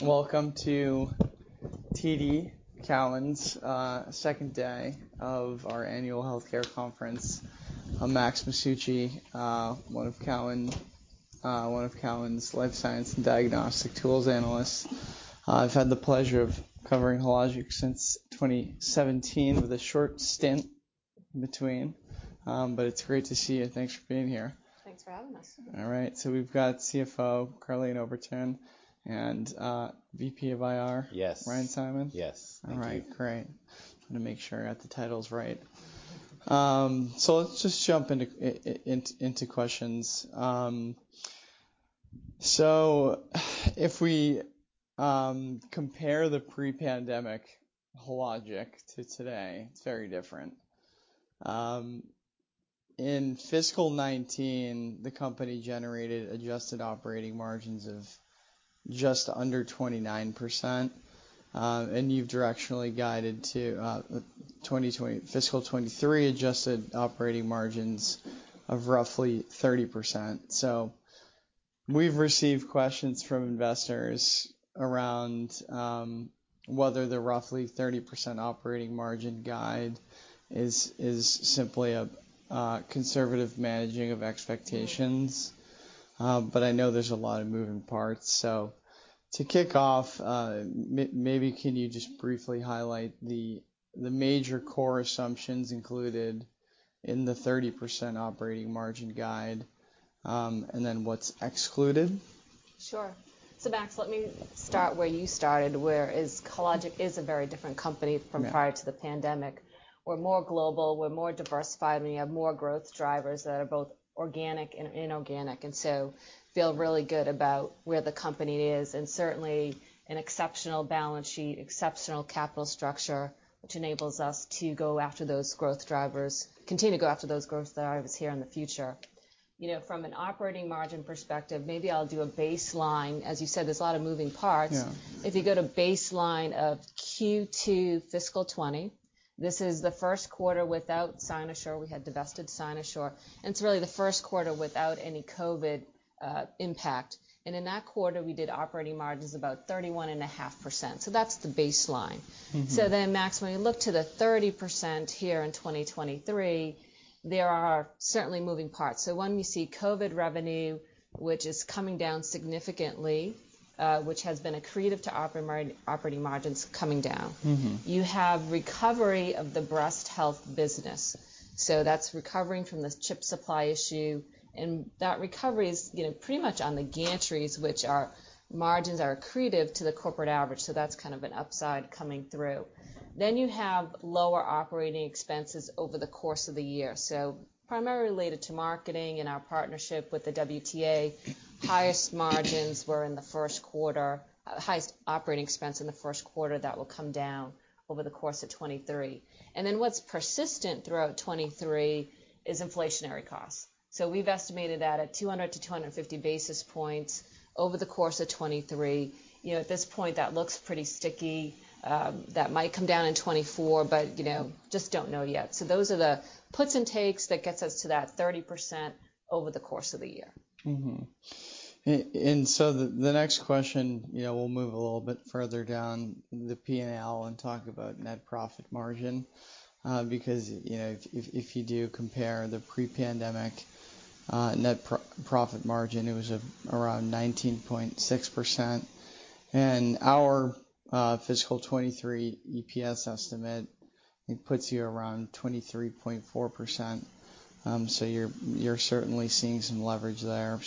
Welcome to TD Cowen's second day of our annual healthcare conference. I'm Max Masucci, one of Cowen's life science and diagnostic tools analysts. I've had the pleasure of covering Hologic since 2017 with a short stint in between. It's great to see you. Thanks for being here. Thanks for having us. All right, we've got CFO Karleen Oberton and VP of IR. Yes. Ryan Simon? Yes. Thank you. All right. Great. Wanna make sure I got the titles right. Let's just jump into questions. If we compare the pre-pandemic Hologic to today, it's very different. In fiscal 2019, the company generated adjusted operating margins of just under 29%. You've directionally guided to fiscal 2023 adjusted operating margins of roughly 30%. We've received questions from investors around whether the roughly 30% operating margin guide is simply a conservative managing of expectations. I know there's a lot of moving parts. To kick off, maybe can you just briefly highlight the major core assumptions included in the 30% operating margin guide, and then what's excluded? Sure. Max, let me start where you started. Where is Hologic is a very different company- Yeah. ...from prior to the pandemic. We're more global. We're more diversified, and we have more growth drivers that are both organic and inorganic, and so feel really good about where the company is and certainly an exceptional balance sheet, exceptional capital structure, which enables us to go after those growth drivers, continue to go after those growth drivers here in the future. You know, from an operating margin perspective, maybe I'll do a baseline. As you said, there's a lot of moving parts. Yeah. If you go to baseline of Q2 fiscal 2020, this is the first quarter without Cynosure. We had divested Cynosure, it's really the first quarter without any COVID-19 impact. In that quarter, we did operating margins about 31.5%, that's the baseline. Mm-hmm. Max, when you look to the 30% here in 2023, there are certainly moving parts. One, we see COVID-19 revenue, which is coming down significantly, which has been accretive to operating margins coming down. Mm-hmm. You have recovery of the breast health business, so that's recovering from the chip supply issue. That recovery is, you know, pretty much on the gantries, which are margins are accretive to the corporate average, so that's kind of an upside coming through. You have lower operating expenses over the course of the year. Primarily related to marketing and our partnership with the WTA. Highest margins were in the first quarter. Highest operating expense in the first quarter, that will come down over the course of 2023. What's persistent throughout 2023 is inflationary costs. We've estimated that at 200-250 basis points over the course of 2023. You know, at this point, that looks pretty sticky. That might come down in 2024, but, you know, just don't know yet. Those are the puts and takes that gets us to that 30% over the course of the year. The, the next question, you know, we'll move a little bit further down the P&L and talk about net profit margin, because, you know, if you do compare the pre-pandemic, net profit margin, it was around 19.6%. Our fiscal 2023 EPS estimate, it puts you around 23.4%. You're certainly seeing some leverage there.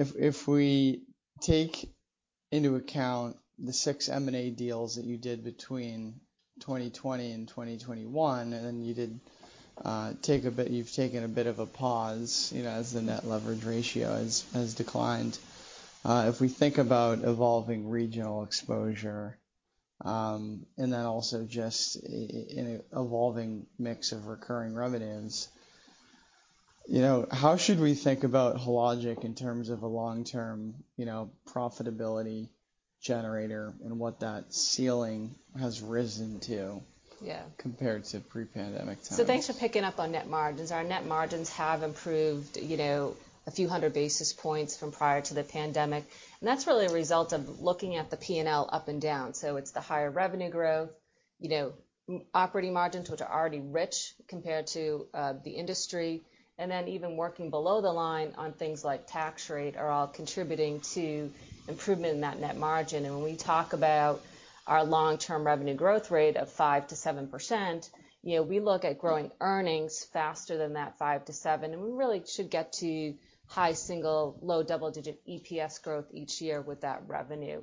If we take into account the six M&A deals that you did between 2020 and 2021, and then you've taken a bit of a pause, you know, as the net leverage ratio has declined. If we think about evolving regional exposure, and then also just an evolving mix of recurring revenues, you know, how should we think about Hologic in terms of a long-term, you know, profitability generator and what that ceiling has risen to... Yeah. ...compared to pre-pandemic times? Thanks for picking up on net margins. Our net margins have improved, you know, a few hundred basis points from prior to the pandemic. That's really a result of looking at the P&L up and down. It's the higher revenue growth, you know, operating margins, which are already rich compared to the industry, and then even working below the line on things like tax rate are all contributing to improvement in that net margin. When we talk about our long-term revenue growth rate of 5%-7%, you know, we look at growing earnings faster than that 5%-7%, and we really should get to high-single, low-double digit EPS growth each year with that revenue.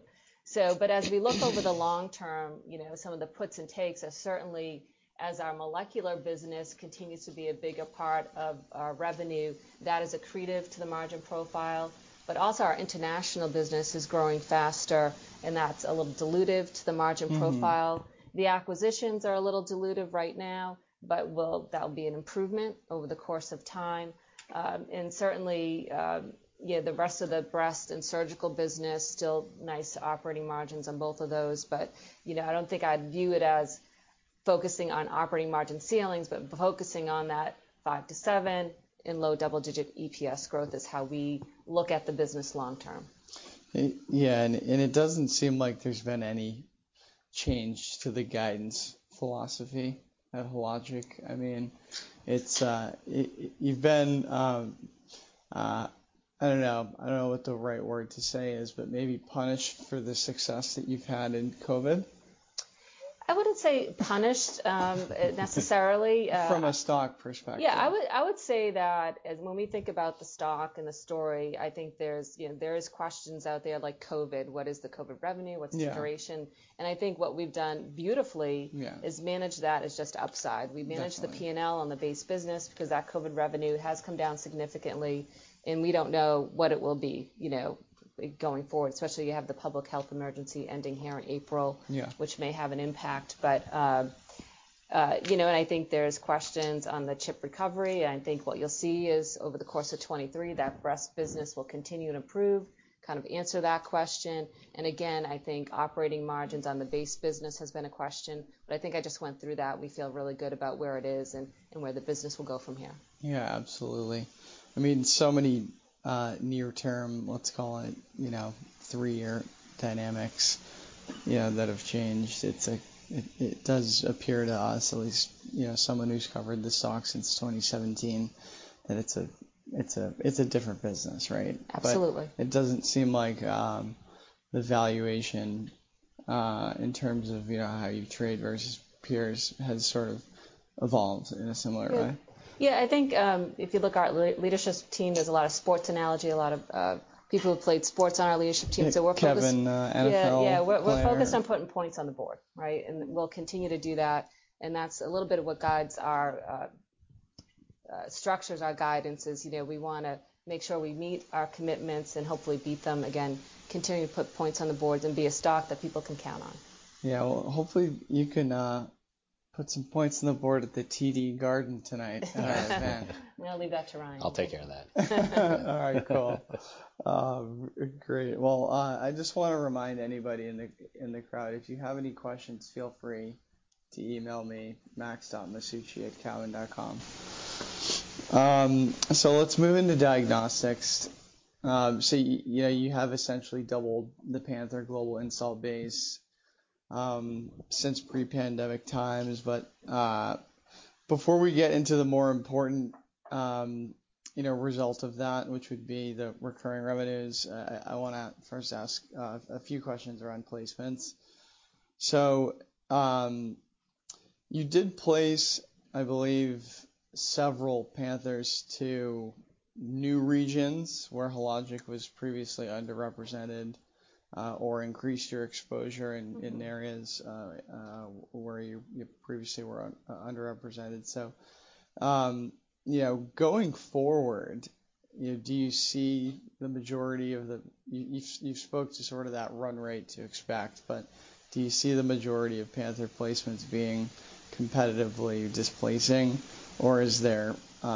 As we look over the long-term, you know, some of the puts and takes are certainly as our molecular business continues to be a bigger part of our revenue, that is accretive to the margin profile. Also, our international business is growing faster, and that's a little dilutive to the margin profile. Mm-hmm. The acquisitions are a little dilutive right now, but that'll be an improvement over the course of time. Certainly, you know, the rest of the breast and surgical business, still nice operating margins on both of those. You know, I don't think I'd view it as focusing on operating margin ceilings, but focusing on that 5%-7% in low-double digit EPS growth is how we look at the business long term. Yeah, it doesn't seem like there's been any change to the guidance philosophy at Hologic. I mean, it's, you've been, I don't know. I don't know what the right word to say is, but maybe punished for the success that you've had in COVID. I wouldn't say punished, necessarily. From a stock perspective. Yeah. I would say that as when we think about the stock and the story, I think there's, you know, there's questions out there like COVID-19. What is the COVID-19 revenue? Yeah. What's the duration? I think what we've done beautifully- Yeah... is manage that as just upside. Definitely. We managed the P&L on the base business because that COVID-19 revenue has come down significantly, we don't know what it will be, you know, going forward, especially you have the public health emergency ending here in April. Yeah Which may have an impact. You know, I think there's questions on the chip recovery, and I think what you'll see is over the course of 2023, that breast business will continue to improve, kind of answer that question. Again, I think operating margins on the base business has been a question, but I think I just went through that. We feel really good about where it is and where the business will go from here. Yeah, absolutely. I mean, so many near term, let's call it, you know, three-year dynamics, you know, that have changed. It's like it does appear to us at least, you know, someone who's covered the stock since 2017, that it's a, it's a, it's a different business, right? Absolutely. It doesn't seem like, the valuation, in terms of, you know, how you trade versus peers has sort of evolved in a similar way. Yeah. I think, if you look at our leadership team, there's a lot of sports analogy, a lot of people who have played sports on our leadership team. Kevin, NFL player. Yeah. We're focused on putting points on the board, right? We'll continue to do that, and that's a little bit of what guides our structures, our guidances. You know, we wanna make sure we meet our commitments and hopefully beat them again, continue to put points on the boards and be a stock that people can count on. Well, hopefully you can put some points on the board at the TD Garden tonight at our event. We'll leave that to Ryan. I'll take care of that. All right, cool. Great. Well, I just wanna remind anybody in the, in the crowd, if you have any questions, feel free to email me, max.masucci@cowen.com. Let's move into diagnostics. You know, you have essentially doubled the Panther global install base since pre-pandemic times. Before we get into the more important, you know, result of that, which would be the recurring revenues, I wanna first ask a few questions around placements. You did place, I believe, several Panthers to new regions where Hologic was previously underrepresented, or increased your exposure in- Mm-hmm ...in areas where you previously were underrepresented. You know, going forward, you know, you spoke to sort of that run rate to expect, do you see the majority of Panther placements being competitively displacing, or is there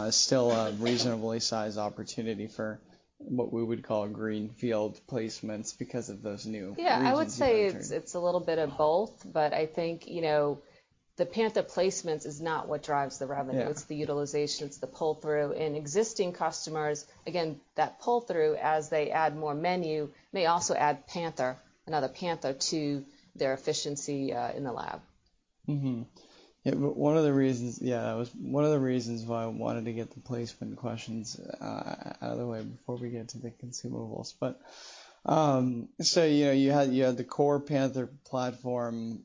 still a reasonably sized opportunity for what we would call greenfield placements because of those new regions you entered? Yeah. I would say it's a little bit of both, but I think, you know, the Panther placements is not what drives the revenue. Yeah. It's the utilization. It's the pull-through. Existing customers, again, that pull through as they add more menu, may also add Panther, another Panther to their efficiency in the lab. Mm-hmm. Yeah. One of the reasons... Yeah, that was one of the reasons why I wanted to get the placement questions out of the way before we get to the consumables. You know, you had the core Panther platform,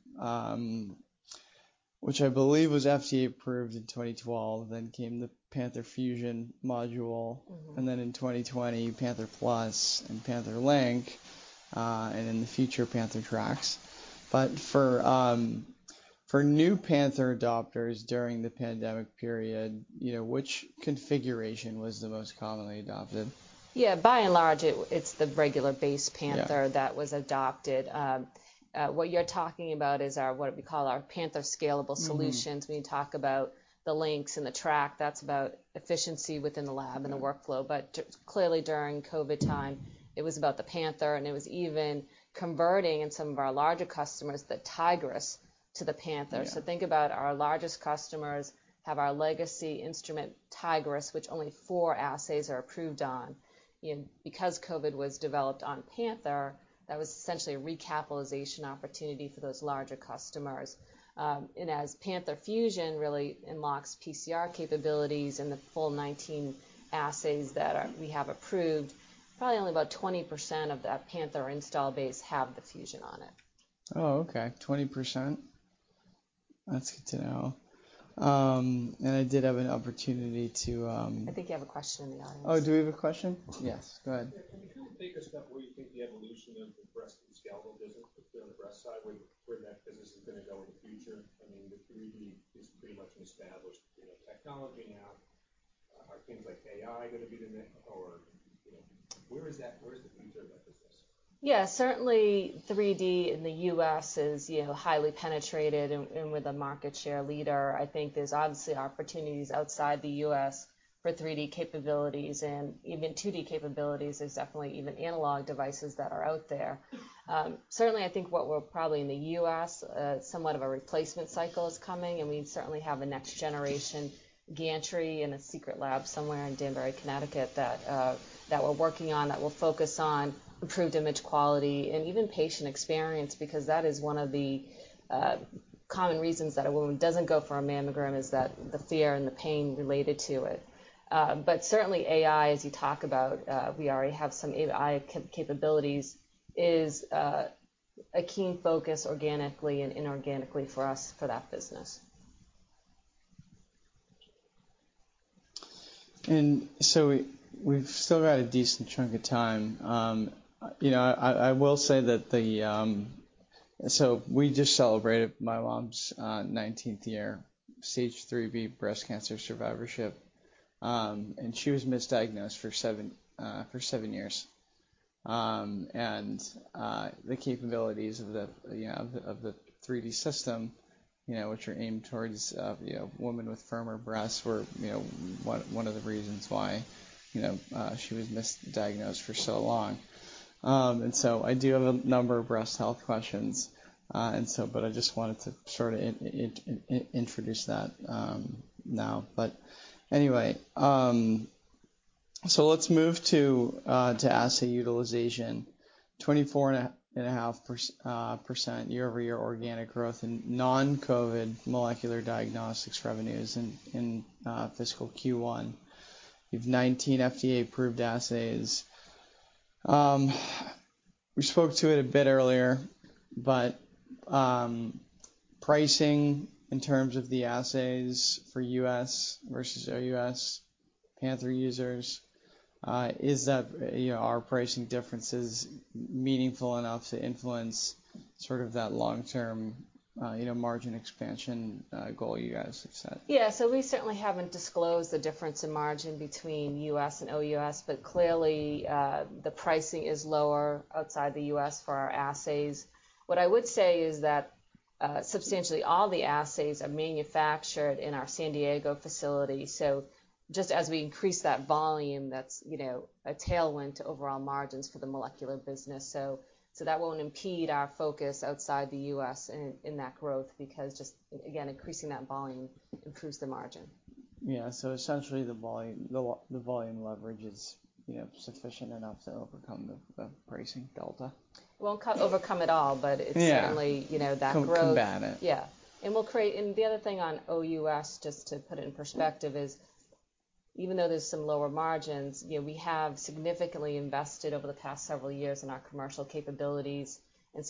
which I believe was FDA approved in 2012, then came the Panther Fusion module. Mm-hmm. In 2020, Panther Plus and Panther Link, and in the future, Panther Trax. For new Panther adopters during the pandemic period, you know, which configuration was the most commonly adopted? Yeah. By and large, it's the regular base Panther. Yeah... that was adopted. What you're talking about is our, what we call our Panther Scalable Solutions. Mm-hmm. When you talk about the links and the track, that's about efficiency within the lab- Mm-hmm... and the workflow. Clearly during COVID-19 time, it was about the Panther, and it was even converting in some of our larger customers, the Tigris to the Panther. Yeah. Think about our largest customers have our legacy instrument, Tigris, which only four assays are approved on. Because COVID-19 was developed on Panther, that was essentially a recapitalization opportunity for those larger customers. As Panther Fusion really unlocks PCR capabilities and the full 19 assays that we have approved, probably only about 20% of that Panther install base have the Fusion on it. Oh, okay. 20%. That's good to know. I did have an opportunity to. I think you have a question in the audience. Oh, do we have a question? Yes. Go ahead. Yeah. Can you kind of take us up where you think the evolution of the breast and scalable business, if they're on the breast side, where that business is gonna go in the future? I mean, the 3D is pretty much an established, you know, technology now. Are things like AI gonna be the next or, you know, where is the future of that business? Certainly, 3D in the U.S. is, you know, highly penetrated and with a market share leader. I think there's obviously opportunities outside the U.S. for 3D capabilities and even 2D capabilities, there's definitely even analog devices that are out there. Certainly I think what we're probably in the U.S., somewhat of a replacement cycle is coming, and we certainly have a next generation gantry in a secret lab somewhere in Danbury, Connecticut that we're working on that will focus on improved image quality and even patient experience because that is one of the common reasons that a woman doesn't go for a mammogram is that the fear and the pain related to it. Certainly AI, as you talk about, we already have some AI capabilities, is a key focus organically and inorganically for us for that business. We've still got a decent chunk of time. You know, I will say that the... We just celebrated my mom's 19th year stage III B breast cancer survivorship, and she was misdiagnosed for seven years. The capabilities of the, you know, of the 3D system, you know, which are aimed towards, you know, women with firmer breasts were, you know, one of the reasons why, she was misdiagnosed for so long. I do have a number of breast health questions, I just wanted to sort of introduce that now. Let's move to assay utilization. 24.5 % year-over-year organic growth in non-COVID-19 molecular diagnostics revenues in fiscal Q1. You have 19 FDA-approved assays. We spoke to it a bit earlier, but pricing in terms of the assays for U.S. versus OUS Panther users, is that, you know, are pricing differences meaningful enough to influence sort of that long-term, you know, margin expansion goal you guys have set? Yeah. We certainly haven't disclosed the difference in margin between U.S. and OUS, clearly, the pricing is lower outside the U.S. for our assays. What I would say is that, substantially all the assays are manufactured in our San Diego facility, so just as we increase that volume, that's, you know, a tailwind to overall margins for the molecular business. That won't impede our focus outside the U.S. in that growth because just, again, increasing that volume improves the margin. Yeah. Essentially the volume leverage is, you know, sufficient enough to overcome the pricing delta? Won't overcome it all. Yeah Certainly, you know, that growth. Combat it. Yeah. The other thing on OUS, just to put it in perspective, is even though there's some lower margins, you know, we have significantly invested over the past several years in our commercial capabilities,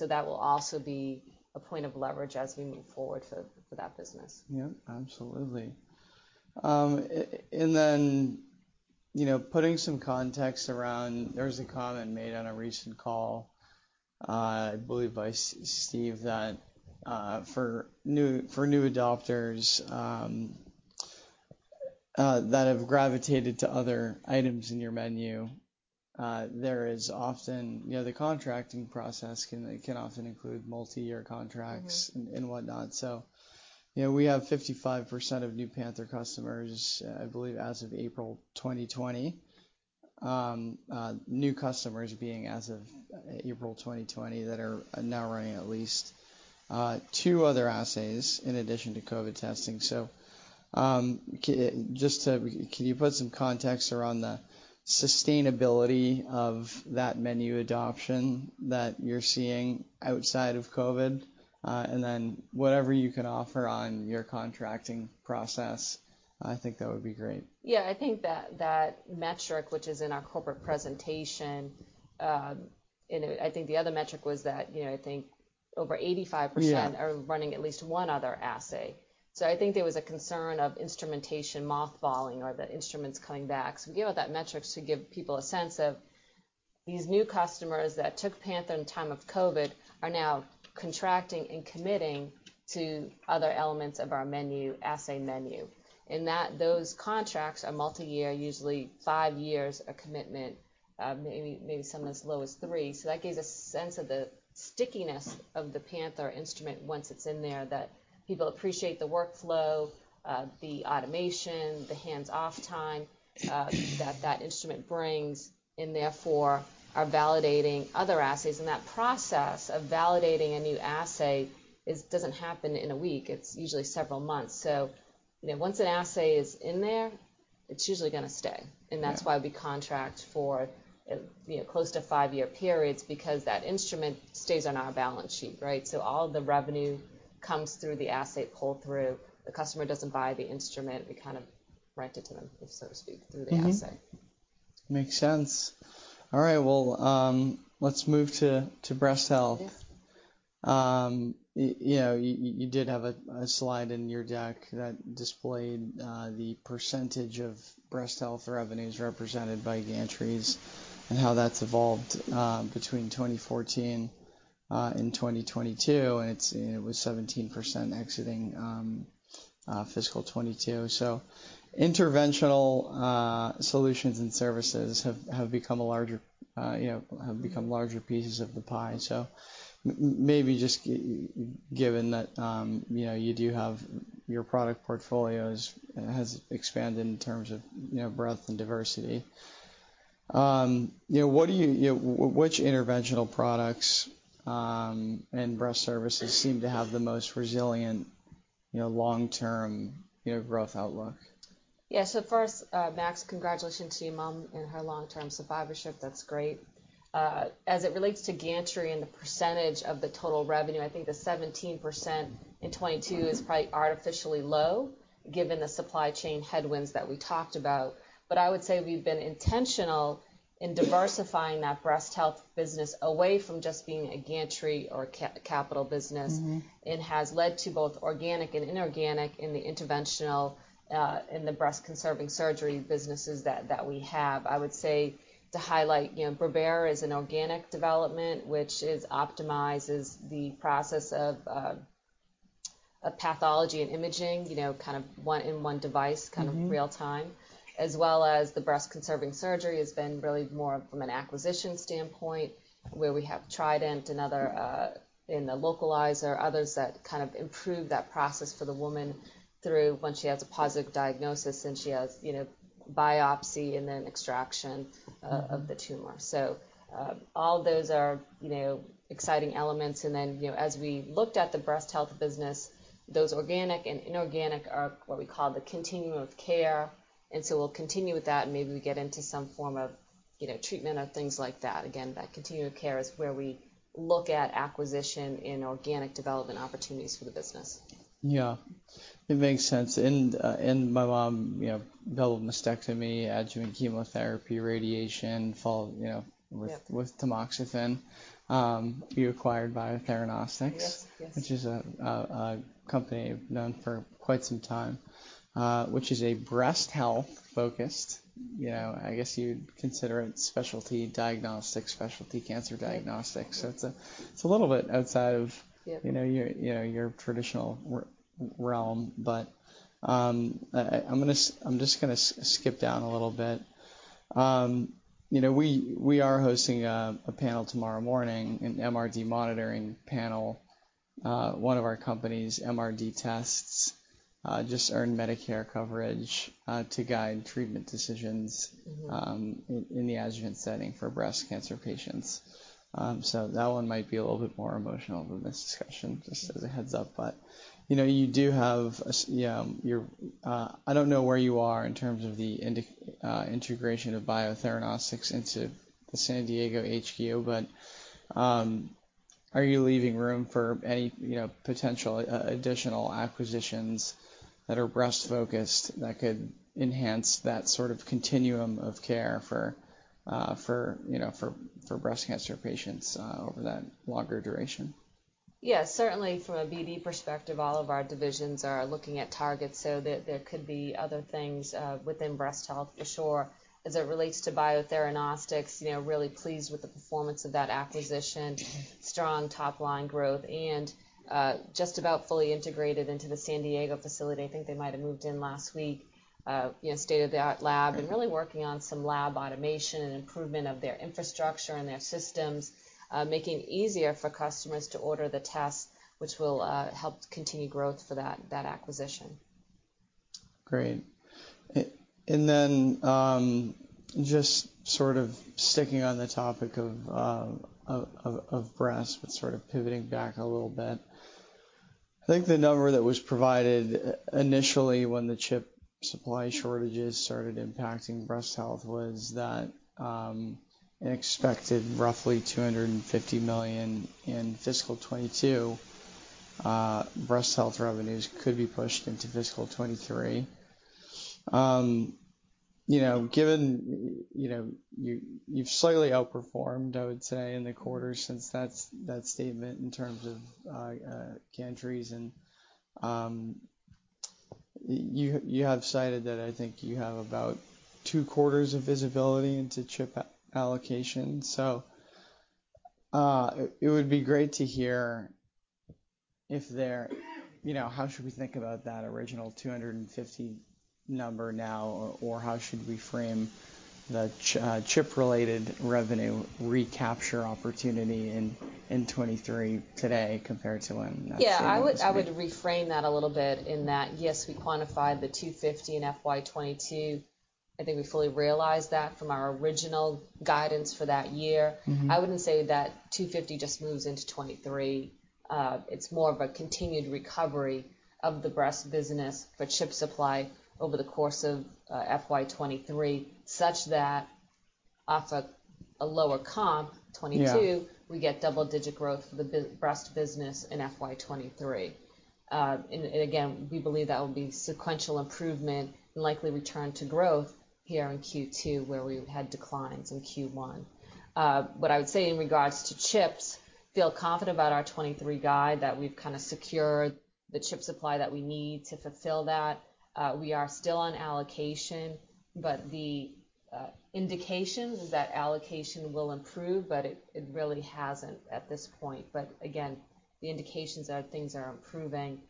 that will also be a point of leverage as we move forward for that business. Yeah. Absolutely. You know, putting some context around, there was a comment made on a recent call, I believe by Steve, that, for new adopters, that have gravitated to other items in your menu, there is often, you know, the contracting process can often include multiyear contracts- Mm-hmm... and whatnot. You know, we have 55% of new Panther customers, I believe as of April 2020, new customers being as of April 2020 that are now running at least two other assays in addition to COVID-19 testing. Can you put some context around the sustainability of that menu adoption that you're seeing outside of COVID-19? And then whatever you can offer on your contracting process, I think that would be great. Yeah. I think that that metric, which is in our corporate presentation, I think the other metric was that, you know, I think over 85%- Yeah ...are running at least one other assay. I think there was a concern of instrumentation mothballing or the instruments coming back. We gave out that metric to give people a sense of these new customers that took Panther in the time of COVID-19 are now contracting and committing to other elements of our menu, assay menu. In that, those contracts are multi-year, usually five years a commitment, maybe some as low as three. That gives a sense of the stickiness of the Panther instrument once it's in there, that people appreciate the workflow, the automation, the hands-off time, that that instrument brings, and therefore are validating other assays. That process of validating a new assay is doesn't happen in one week, it's usually several months. You know, once an assay is in there, it's usually gonna stay. Yeah. That's why we contract for, you know, close to five-year periods because that instrument stays on our balance sheet, right? All the revenue comes through the assay pull-through. The customer doesn't buy the instrument. We kind of rent it to them, so to speak. Mm-hmm... through the assay. Makes sense. All right. Well, let's move to breast health. Yeah. You know, you did have a slide in your deck that displayed the percentage of breast health revenues represented by gantries and how that's evolved between 2014 and 2022, and it's, you know, it was 17% exiting fiscal 2022. Interventional solutions and services have become a larger, you know, have become larger pieces of the pie. Maybe just given that, you know, you do have your product portfolios has expanded in terms of, you know, breadth and diversity. You know, what do you know, which interventional products and breast services seem to have the most resilient, you know, long-term, you know, growth outlook? First, Max, congratulations to your mom and her long-term survivorship. That's great. As it relates to gantry and the percentage of the total revenue, I think the 17% in 2022 is probably artificially low given the supply chain headwinds that we talked about. I would say we've been intentional in diversifying that breast health business away from just being a gantry or capital business. Mm-hmm. It has led to both organic and inorganic in the interventional, in the breast conserving surgery businesses that we have. I would say to highlight, you know, Brevera is an organic development which is optimizes the process of a pathology and imaging, you know, kind of one-in-one device- Mm-hmm... kind of real time. As well as the breast conserving surgery has been really more from an acquisition standpoint, where we have Trident, another, in the localizer, others that kind of improve that process for the woman through when she has a positive diagnosis and she has, you know, biopsy and then extraction- Mm-hmm... of the tumor. All those are, you know, exciting elements. Then, you know, as we looked at the breast health business, those organic and inorganic are what we call the continuum of care, and so we'll continue with that, and maybe we get into some form of, you know, treatment or things like that. Again, that continuum of care is where we look at acquisition in organic development opportunities for the business. Yeah. It makes sense. My mom, you know, double mastectomy, adjuvant chemotherapy, radiation, follow, you know- Yeah... with tamoxifen. You acquired Biotheranostics. Yes. Yes. Which is a company known for quite some time, which is a breast health focused, you know, I guess you'd consider it specialty diagnostics, specialty cancer diagnostics. It's a little bit outside of- Yeah... you know, your, you know, your traditional realm. I'm just gonna skip down a little bit. You know, we are hosting a panel tomorrow morning, an MRD monitoring panel. One of our company's MRD tests just earned Medicare coverage to guide treatment decisions- Mm-hmm... in the adjuvant setting for breast cancer patients. That one might be a little bit more emotional than this discussion, just as a heads-up. You know, you do have a you know, your... I don't know where you are in terms of the integration of Biotheranostics into the San Diego HQ, but are you leaving room for any, you know, potential additional acquisitions that are breast focused that could enhance that sort of continuum of care for you know, for breast cancer patients over that longer duration? Yeah, certainly from a BD perspective, all of our divisions are looking at targets so that there could be other things within breast health for sure. As it relates to Biotheranostics, you know, really pleased with the performance of that acquisition. Strong top line growth and just about fully integrated into the San Diego facility. I think they might have moved in last week. You know, state-of-the-art lab and really working on some lab automation and improvement of their infrastructure and their systems, making it easier for customers to order the tests which will help continue growth for that acquisition. Great. Just sort of sticking on the topic of breast, but sort of pivoting back a little bit. I think the number that was provided initially when the chip supply shortages started impacting breast health was that, an expected roughly $250 million in fiscal 2022 breast health revenues could be pushed into fiscal 2023. You know, given, you know, you've slightly outperformed, I would say, in the quarter since that's, that statement in terms of gantries and, you have cited that I think you have about two quarters of visibility into chip allocation. it would be great to hear You know, how should we think about that original $250 number now, or how should we frame the chip-related revenue recapture opportunity in 2023 today compared to when that statement was made? Yeah. I would reframe that a little bit in that, yes, we quantified the $250 in FY 2022. I think we fully realized that from our original guidance for that year. Mm-hmm. I wouldn't say that $250 just moves into 2023. It's more of a continued recovery of the breast business for chip supply over the course of FY 2023, such that off a lower comp, 2022- Yeah... we get double digit growth for the breast business in FY 2023. Again, we believe that will be sequential improvement and likely return to growth here in Q2 where we've had declines in Q1. What I would say in regards to chips, feel confident about our 2023 guide, that we've kind of secured the chip supply that we need to fulfill that. We are still on allocation, the indications is that allocation will improve, but it really hasn't at this point. Again, the indications are things are improving.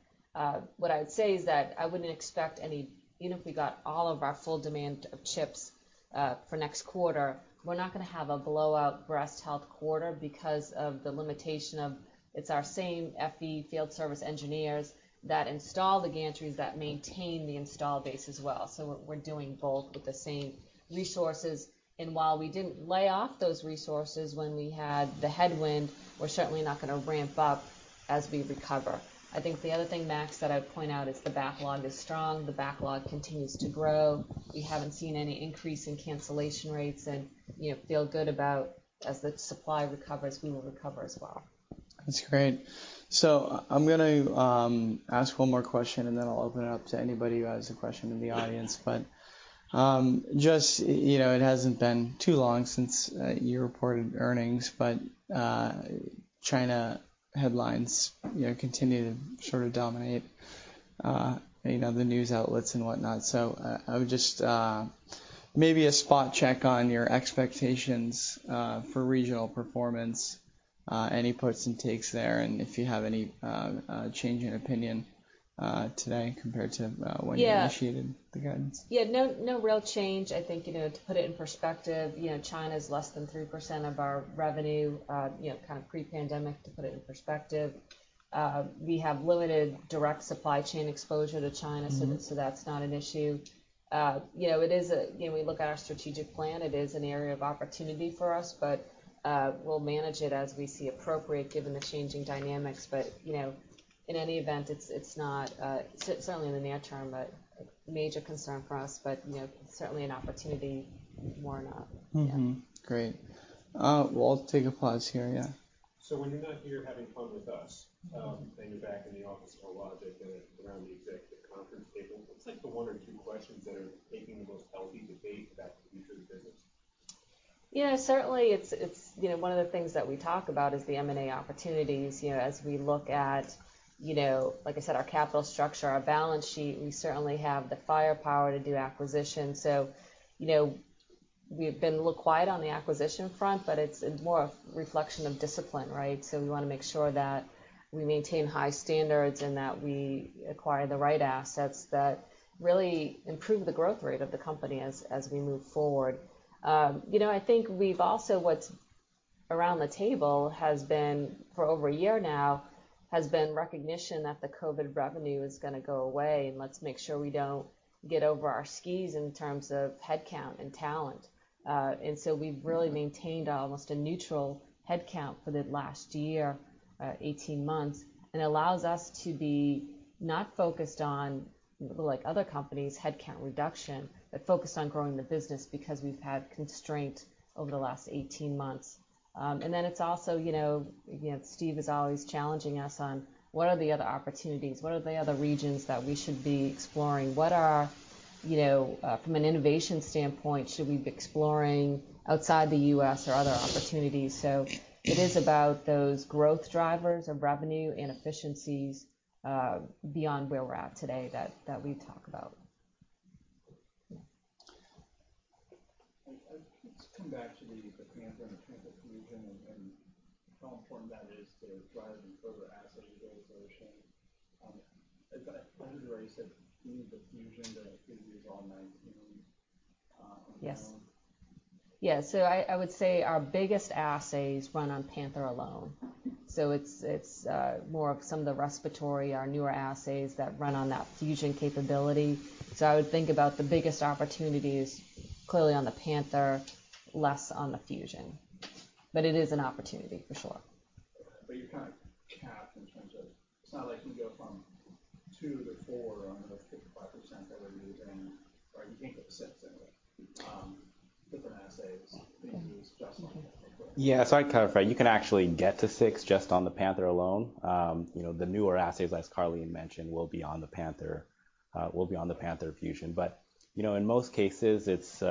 What I would say is that I wouldn't expect any... Even if we got all of our full demand of chips, for next quarter, we're not gonna have a blowout breast health quarter because of the limitation of it's our same FE field service engineers that install the gantries that maintain the install base as well. We're doing both with the same resources. While we didn't lay off those resources when we had the headwind, we're certainly not gonna ramp up as we recover. I think the other thing, Max, that I'd point out is the backlog is strong. The backlog continues to grow. We haven't seen any increase in cancellation rates and, you know, feel good about as the supply recovers, we will recover as well. That's great. I'm gonna ask one more question, and then I'll open it up to anybody who has a question in the audience. Just, you know, it hasn't been too long since you reported earnings, but China headlines, you know, continue to sort of dominate, you know, the news outlets and whatnot. I would just, maybe a spot check on your expectations for regional performance, any puts and takes there, and if you have any change in opinion today compared to- Yeah ....when you initiated the guidance? Yeah, no real change. I think, you know, to put it in perspective, you know, China is less than 3% of our revenue, you know, kind of pre-pandemic, to put it in perspective. We have limited direct supply chain exposure to China. Mm-hmm That's not an issue. You know, we look at our strategic plan, it is an area of opportunity for us. We'll manage it as we see appropriate given the changing dynamics. You know, in any event, it's not certainly in the near term a major concern for us. You know, certainly an opportunity more not. Yeah. Great. We'll take a pause here. Yeah. When you're not here having fun with us- Mm-hmm... you're back in the office Hologic and around the executive conference table, what's like the one or two questions that are making the most healthy debate about the future of the business? Yeah, certainly it's, you know, one of the things that we talk about is the M&A opportunities. You know, as we look at, you know, like I said, our capital structure, our balance sheet, we certainly have the firepower to do acquisitions. You know, we've been a little quiet on the acquisition front, but it's more a reflection of discipline, right? We wanna make sure that we maintain high standards and that we acquire the right assets that really improve the growth rate of the company as we move forward. You know, I think we've also what's around the table has been, for over a year now, has been recognition that the COVID-19 revenue is gonna go away, and let's make sure we don't get over our skis in terms of headcount and talent. We've really maintained almost a neutral headcount for the last year, 18 months, and allows us to be not focused on, like other companies, headcount reduction, but focused on growing the business because we've had constraint over the last 18 months. It's also, you know, Steve is always challenging us on what are the other opportunities, what are the other regions that we should be exploring? What are, you know, from an innovation standpoint, should we be exploring outside the U.S. or other opportunities? It is about those growth drivers of revenue and efficiencies beyond where we're at today that we talk about. Yeah. just come back to the Panther and Panther Fusion and how important that is to driving further assay utilization. I heard where you said you need the Fusion to increase on that, you know, you know. Yes. Yeah. I would say our biggest assays run on Panther alone. It's more of some of the respiratory, our newer assays that run on that Fusion capability. I would think about the biggest opportunities clearly on the Panther, less on the Fusion. It is an opportunity for sure. You're kind of capped in terms of... It's not like you go from two to four on the 55% that we're using, or you can't get six anyway, different assays being used just on the Panther alone. Yeah. I'd clarify, you can actually get to six just on the Panther alone. You know, the newer assays, as Karleen mentioned, will be on the Panther, will be on the Panther Fusion. You know, in most cases, it's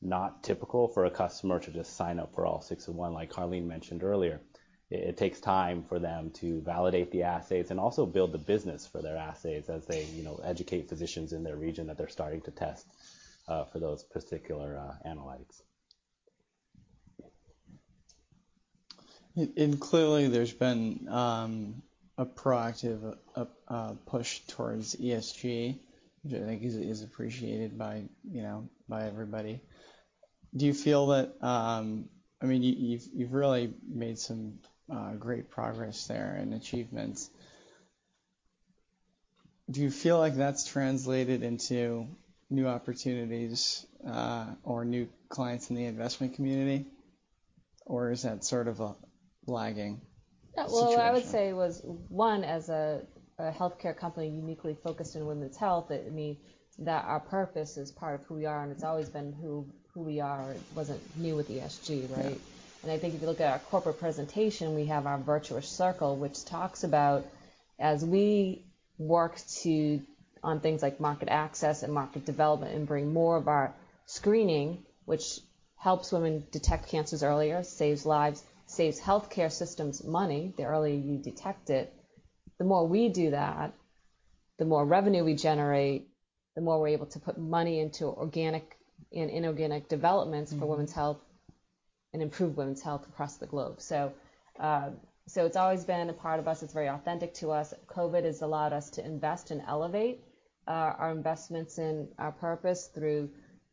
not typical for a customer to just sign up for all six in one, like Karleen mentioned earlier. It takes time for them to validate the assays and also build the business for their assays as they, you know, educate physicians in their region that they're starting to test for those particular analytics. Clearly there's been a proactive push towards ESG, which I think is appreciated by, you know, by everybody. Do you feel that? I mean, you've really made some great progress there and achievements. Do you feel like that's translated into new opportunities or new clients in the investment community, or is that sort of a lagging situation? Well, what I would say was, one, as a healthcare company uniquely focused in women's health, it mean that our purpose is part of who we are, and it's always been who we are. It wasn't new with ESG, right? Yeah. I think if you look at our corporate presentation, we have our virtuous circle, which talks about as we work on things like market access and market development and bring more of our screening, which helps women detect cancers earlier, saves lives, saves healthcare systems money, the earlier you detect it. The more we do that, the more revenue we generate, the more we're able to put money into organic and inorganic developments for women's health, and improve women's health across the globe. It's always been a part of us. It's very authentic to us. COVID-19 has allowed us to invest and elevate our investments and our purpose through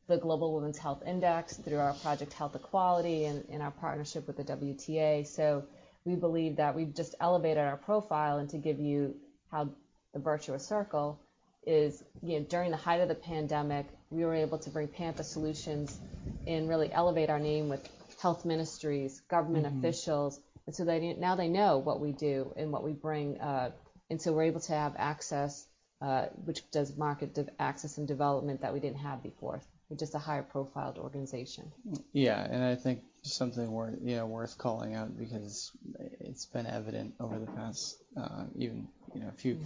the Global Women's Health Index, through our Project Health Equality, and our partnership with the WTA. We believe that we've just elevated our profile. To give you how the virtuous circle is, you know, during the height of the pandemic, we were able to bring Panther Solutions and really elevate our name with health ministries- Mm-hmm. ...government officials, and so they now they know what we do and what we bring. We're able to have access, which does market access and development that we didn't have before. We're just a higher profiled organization. Yeah. I think something worth, you know, worth calling out because it's been evident over the past, even, you know, few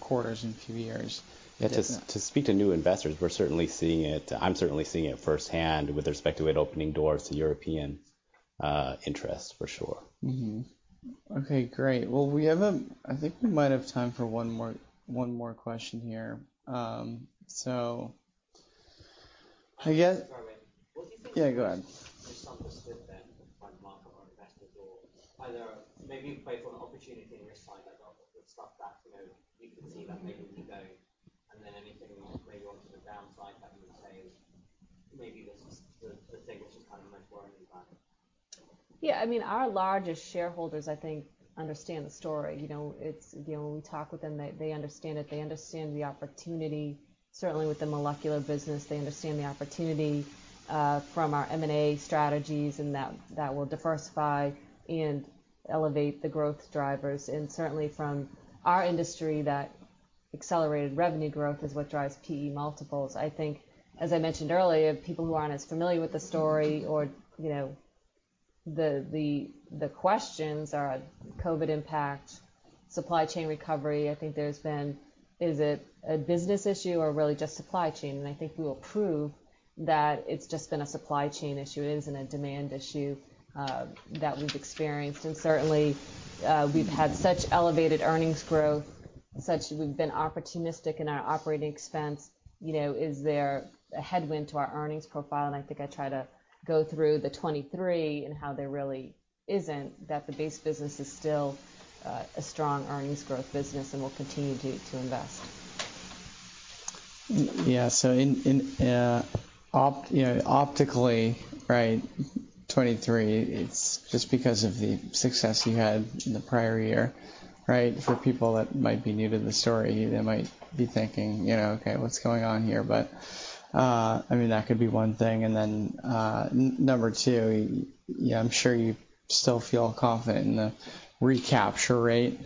quarters and few years. Yeah. To speak to new investors, I'm certainly seeing it firsthand with respect to it opening doors to European interests for sure. Okay, great. Well, I think we might have time for one more question here. Sorry. What do you think- Yeah, go ahead. ...understood then by the market or investors or either maybe you play for an opportunity and risk side as well, but stuff that, you know, you can see that maybe would go, and then anything maybe on sort of downside that you would say maybe this is the thing which is kind of most worrying about? Yeah. I mean, our largest shareholders I think understand the story. You know, when we talk with them, they understand it. They understand the opportunity, certainly with the molecular business. They understand the opportunity from our M&A strategies and that will diversify and elevate the growth drivers. Certainly, from our industry, that accelerated revenue growth is what drives PE multiples. I think, as I mentioned earlier, people who aren't as familiar with the story or, you know, the questions are COVID-19 impact, supply chain recovery. I think there's been, is it a business issue or really just supply chain? I think we will prove that it's just been a supply chain issue. It isn't a demand issue that we've experienced. Certainly, we've had such elevated earnings growth, such we've been opportunistic in our OpEx. You know, is there a headwind to our earnings profile? I think I try to go through the 2023 and how there really isn't, that the base business is still a strong earnings growth business and we'll continue to invest. Yeah. In, you know, optically, right, 2023, it's just because of the success you had in the prior year, right? For people that might be new to the story, they might be thinking, you know, "Okay, what's going on here?" I mean, that could be one thing. Number two, you know, I'm sure you still feel confident in the recapture rate-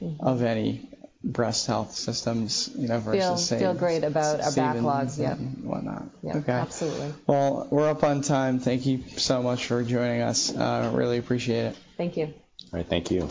Mm-hmm. ...of any breast health systems, you know, versus- Feel great about our backlogs. Yep. -whatnot. Yeah. Okay. Absolutely. We're up on time. Thank you so much for joining us. Really appreciate it. Thank you. All right. Thank you.